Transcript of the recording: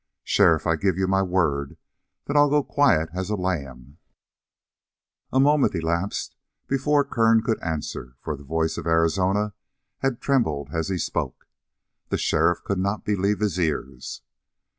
"Sheriff, I give you my word that I'll go quiet as a lamb." A moment elapsed before Kern could answer, for the voice of Arizona had trembled as he spoke. The sheriff could not believe his ears.